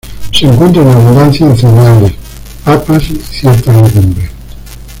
Se encuentra en abundancia en cereales, papa y ciertas legumbres.